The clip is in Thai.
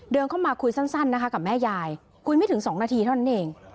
เดินเข้ามาคุยสั้นนะคะกับแม่ยายคุยไม่ถึง๒นาทีเท่านั้นเอง